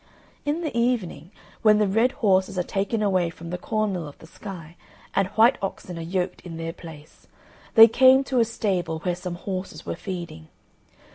In the evening, when the red horses are taken away from the corn mill of the sky and white oxen are yoked in their place, they came to a stable where some horses were feeding.